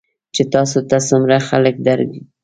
چې تاسو ته څومره خلک درګوري .